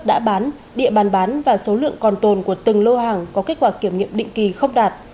đã bán địa bàn bán và số lượng còn tồn của từng lô hàng có kết quả kiểm nghiệm định kỳ không đạt